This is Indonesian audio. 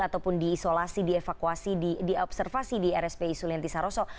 ataupun diisolasi dievakuasi diobservasi di rsp isulianti saroso